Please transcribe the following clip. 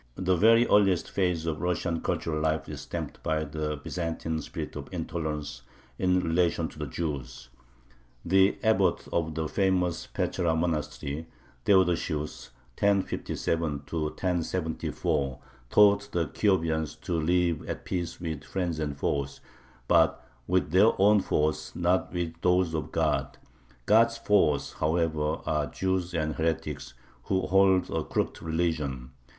The very earliest phase of Russian cultural life is stamped by the Byzantine spirit of intolerance in relation to the Jews. The Abbot of the famous Pechera monastery, Theodosius (1057 1074), taught the Kiovians to live at peace with friends and foes, "but with their own foes, not with those of God." God's foes, however, are Jews and heretics, "who hold a crooked religion."